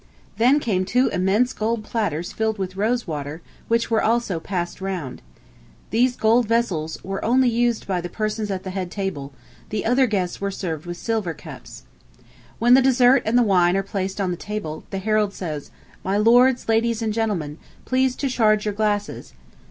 Then came two immense gold platters filled with rose water, which were also passed round. These gold vessels were only used by the persons at the head table; the other guests were served with silver cups. When the dessert and the wine are placed on the table, the herald says, "My Lords, Ladies, and Gentlemen, please to charge your glasses."